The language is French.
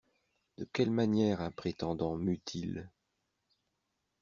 De quelle manière un prétendant mue-t-il?